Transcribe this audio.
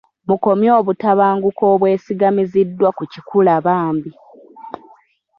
Mukomye obutabanguko obwesigamiziddwa ku kikula bambi.